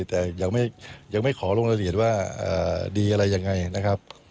แต่ยังไม่ขอลงรายละเอียดว่าดีอะไรยังไงนะครับ